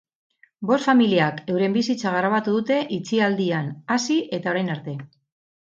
Bost familiak euren bizitza grabatu dute itxialdian hasi, eta orain arte.